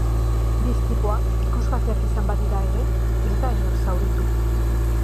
Bi istripuak ikusgarriak izan badira ere, ez da inor zauritu.